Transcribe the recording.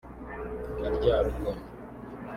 Karyarugo